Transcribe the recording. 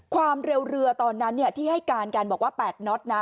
ความเร็วเรือตอนนั้นที่ให้การกันบอกว่า๘น็อตนะ